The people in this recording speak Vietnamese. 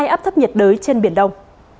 hai áp thấp nhiệt đới trên biển đông